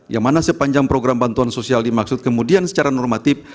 yang mana sepanjang program bantuan sosial dimaksud kemudian secara normatif